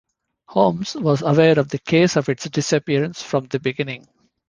Holmes was aware of the case of its disappearance from the beginning.